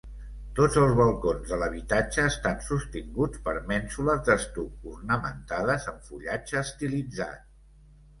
Tots els balcons de l'habitatge estan sostinguts per mènsules d'estuc ornamentades amb fullatge estilitzat.